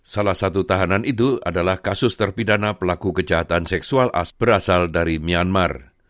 salah satu tahanan itu adalah kasus terpidana pelaku kejahatan seksual berasal dari myanmar